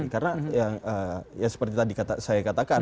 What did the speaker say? karena seperti tadi saya katakan